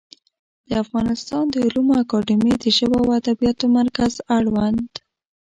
د افغانستان د علومو اکاډمي د ژبو او ادبیاتو مرکز اړوند